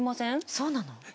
そうなの！？